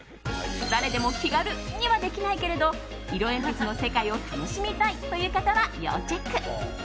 誰でも気軽にはできないけれど色鉛筆の世界を楽しみたいという方は、要チェック。